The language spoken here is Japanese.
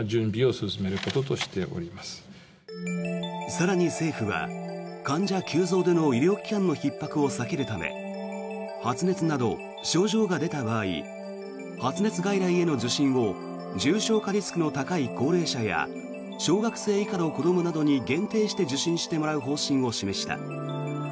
更に政府は、患者急増での医療機関のひっ迫を避けるため発熱など症状が出た場合発熱外来への受診を重症化リスクの高い高齢者や小学生以下の子どもなどに限定して受診してもらう方針を示した。